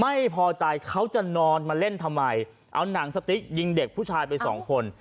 ไม่พอใจเขาจะนอนมาเล่นทำไมเอาหนังสติ๊กยิงเด็กผู้ชายไปสองคน